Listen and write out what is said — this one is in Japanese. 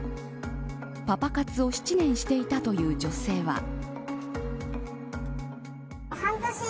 パパ活を７年していたという女性は。